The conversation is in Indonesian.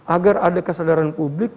agar ada kesadaran publik